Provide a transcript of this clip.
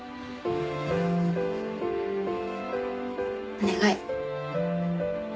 お願い。